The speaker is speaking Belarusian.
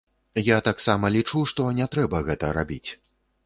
Я таксама лічу, што не трэба гэта рабіць.